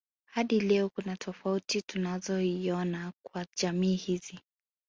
Hadi leo kuna tofuati tunaziona kwa jamii hizi